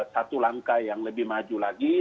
satu langkah yang lebih maju lagi